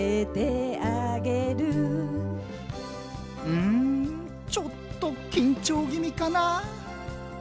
うんちょっと緊張ぎみかな？